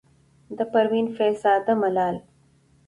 د پروين فيض زاده ملال،